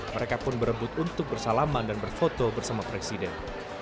mereka pun berebut untuk bersalaman dan berfoto bersama presiden